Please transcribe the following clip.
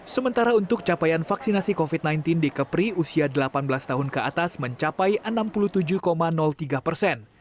sementara untuk capaian vaksinasi covid sembilan belas di kepri usia delapan belas tahun ke atas mencapai enam puluh tujuh tiga persen